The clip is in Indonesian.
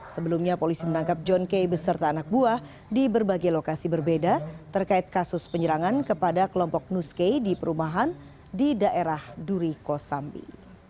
sebelumnya polisi menangkap john k beserta anak buah di berbagai lokasi berbeda terkait kasus penyerangan kepada kelompok nus kay di perumahan di daerah duriko sambi